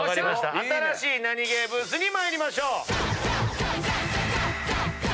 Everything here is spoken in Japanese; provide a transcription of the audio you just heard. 新しいナニゲーブースに参りましょう。